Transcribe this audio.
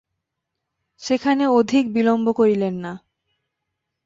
সেখানে অধিক বিলম্ব করিলেন না।